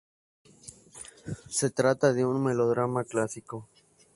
Se trata de un melodrama clásico.